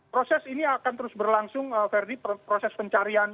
proses ini akan terus berlangsung verdi proses pencarian